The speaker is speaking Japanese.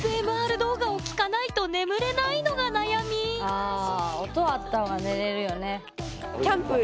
あ音あった方が寝れるよね。